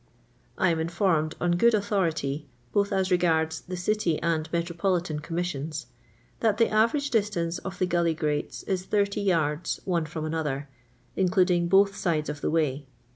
I am informed, on good authority, both as re gards the City and Metropolitan Commissions, that the average distance of the guUy grates is thirty yards one from another, including both sides of the way.